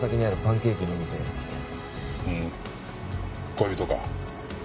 恋人か？